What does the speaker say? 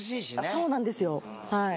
そうなんですよはい。